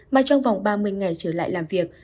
mà trong vòng ba mươi ngày trở lại làm việc